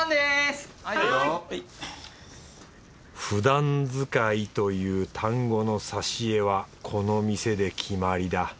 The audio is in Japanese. ふだん使いという単語の挿絵はこの店で決まりだ